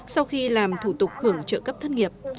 sau khi làm thủ tục hưởng trợ cấp thất nghiệp